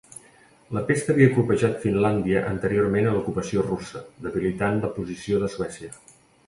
La pesta havia colpejat Finlàndia anteriorment a l’ocupació russa, debilitant la posició de Suècia.